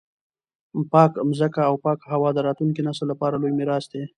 پاکه مځکه او پاکه هوا د راتلونکي نسل لپاره لوی میراث دی.